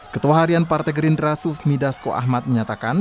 ketua harian partai gerindra sufmi dasko ahmad menyatakan